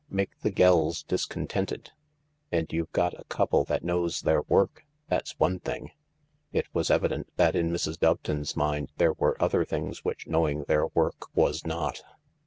Make the gells discontented — and you've got a couple that knows their work, that's one thing." It was evident that in Mrs. Doveton's mind there were other things which knowing their work was not.